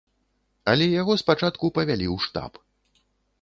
Але яго спачатку павялі ў штаб.